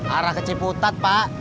arah ke ciputat